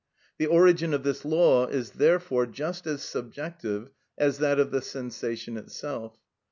The origin of this law is therefore just as subjective as that of the sensation itself.